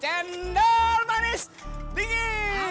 cendol manis dingin